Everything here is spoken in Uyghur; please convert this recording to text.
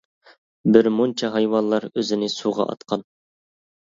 بىر مۇنچە ھايۋانلار ئۆزىنى سۇغا ئاتقان.